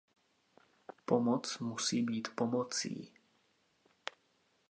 Pomoc musí být pomocí.